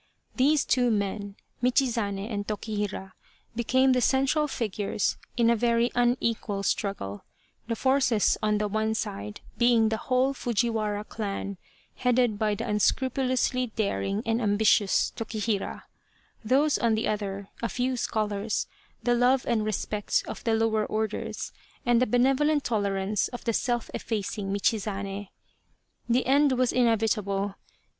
These two men, Michizane and Tokihira, became the central figures in a very unequal struggle, the forces on the one side being the whole Fujiwara clan, headed by the unscrupulously daring and ambitious Tokihira ; those on the other, a few scholars, the love and respect of the lower orders, and the benevolent tolerance of the self effacing Michizane. The end was inevitable.